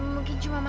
mungkin cuma masalah